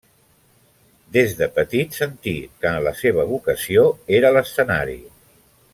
Des de petit sentí que la seva vocació era l'escenari.